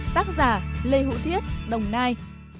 tác giả lê hữu thiết đồng nai